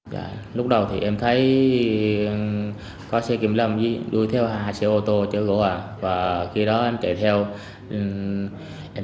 ghi nhận của nhóm phóng viên